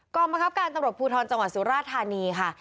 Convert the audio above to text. ก่อนมาครับการตำลดภูทรจังหวัดสุราธานีค่ะ